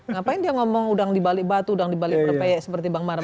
ngapain dia ngomong udang dibalik batu udang dibalik berpeyek seperti bang maret